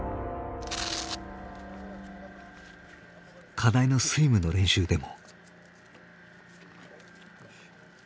課題のスイムの練習でも。